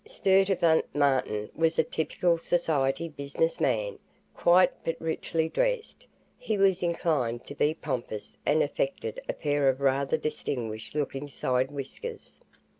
Sturtevant Martin was a typical society business man, quietly but richly dressed. He was inclined to be pompous and affected a pair of rather distinguished looking side whiskers.